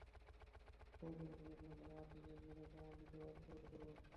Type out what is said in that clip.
Committee গঠনে কোনো ধরনের আর্থিক লেনদেনের প্রমাণ দিতে পারলে পদত্যাগ করব।